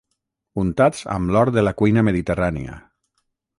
Untats amb l'or de la cuina mediterrània.